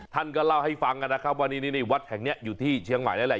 ท่านก็เล่าให้ฟังนะครับว่านี่วัดแห่งนี้อยู่ที่เชียงใหม่นั่นแหละ